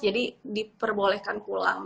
jadi diperbolehkan pulang